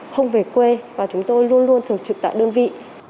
không về quê và chúng tôi luôn luôn thường trực tại đơn vị